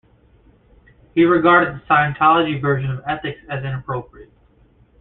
He regarded the Scientology version of "ethics" as inappropriate.